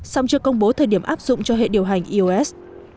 song chưa công bố thời điểm áp dụng cho hệ điều hành ios